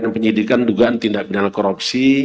dengan penyidikan dugaan tindak binang korupsi